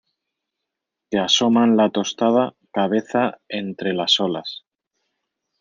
que asoman la tostada cabeza entre las olas